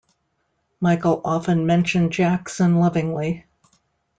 Michael often mentioned Jackson lovingly.